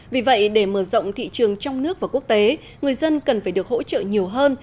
vì vậy để mở rộng thị trường trong nước và quốc tế người dân cần phải được hỗ trợ nhiều hơn